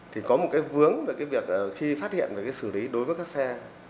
thì có một cái vướng về cái việc khi phát hiện về cái xử lý đối với các xe